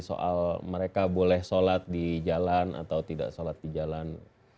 soal mereka boleh sholat di jalan atau tidak sholat di jalan